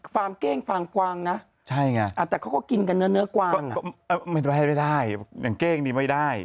เก้งฟางกวางนะใช่ไงแต่เขาก็กินกันเนื้อกวางก็ไม่ได้อย่างเก้งนี่ไม่ได้